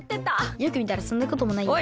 よくみたらそんなこともないや。